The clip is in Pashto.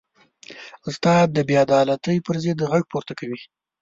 استاد د بېعدالتۍ پر ضد غږ پورته کوي.